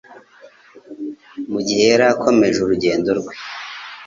mu gihe yari akomeje urugendo rwe